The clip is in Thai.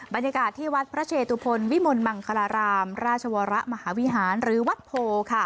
บรรยากาศที่วัดพระเชตุพลวิมลมังคลารามราชวรมหาวิหารหรือวัดโพ